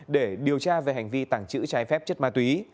để điều tra về hành vi tàng trữ trái phép chất ma túy